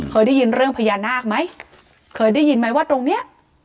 เคยได้ยินเรื่องพญานาคไหมเคยได้ยินไหมว่าตรงเนี้ย